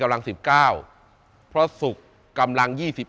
ภาศุกร๒๑